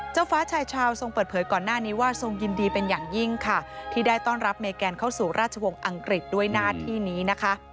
เจ้าฟ้าชายชาวทรงเปิดเผยก่อนหน้านี้ว่าทรงยินดีเป็นอย่างยิ่งค่ะที่ได้ต้อนรับเมแกนเข้าสู่ราชวงศ์อังกฤษด้วยหน้าที่นี้นะคะ